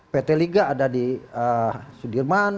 pt liga ada di sudirman